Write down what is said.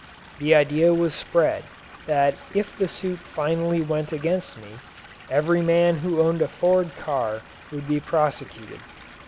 The idea was spread that if the suit finally went against me, every man who owned a Ford car would be prosecuted.